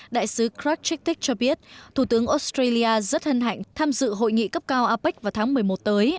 đại sứ grab trikic cho biết thủ tướng australia rất hân hạnh tham dự hội nghị cấp cao apec vào tháng một mươi một tới